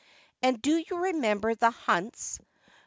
And do you remember the hunts